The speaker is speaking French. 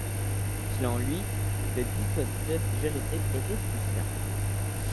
Selon lui, ce dispositif juridique était suffisant.